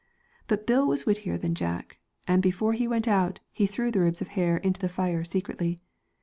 But Bill was wittier than Jack was, and before he went out, he threw the ribs of hair into the fire secretly.